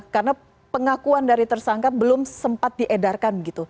karena pengakuan dari tersangka belum sempat diedarkan